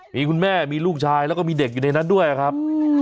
มีคุณแม่มีลูกชายแล้วก็มีเด็กอยู่ในนั้นด้วยครับ